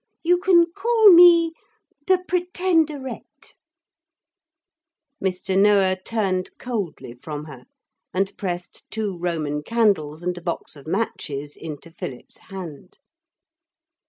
You can call me the Pretenderette.' Mr. Noah turned coldly from her and pressed two Roman candles and a box of matches into Philip's hand.